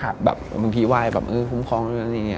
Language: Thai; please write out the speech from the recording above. แบบบางทีไหว้แบบคุ้มคล้องแล้วก็นี้